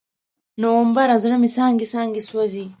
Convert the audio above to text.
نومبره، زړه مې څانګې، څانګې سوزي